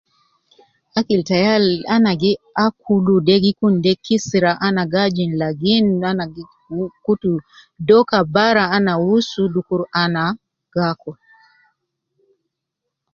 Akil tayi al ana gi akulu de gi kun de kisira ana gi ajin lajin ,ana gi wu kutu doka bara, ana wusu dukur ana gi akul.